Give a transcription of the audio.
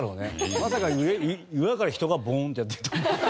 まさか裏から人がボンってやってるとは。